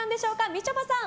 みちょぱさん